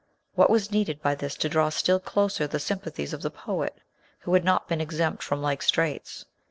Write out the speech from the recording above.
What was needed but this to draw still closer the sympathies of the poet, who had not been exempt from like straits